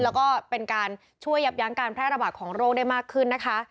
แล้วก็เป็นการช่วยยับยั้งการแพร่ระบาดของโรคได้มากขึ้นนะคะ